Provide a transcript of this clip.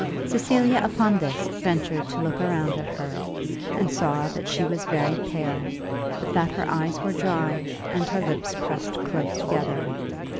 Cecilia upon this, ventured to look round at her, and saw that she was very pale, but that her eyes were dry and her lips pressed close together.